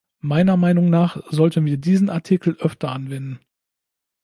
Meiner Meinung nach sollten wir diesen Artikel öfter anwenden.